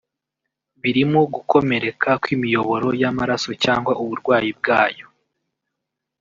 Birimo gukomereka kw’imiyoboro y’amaraso cyangwa uburwayi bwayo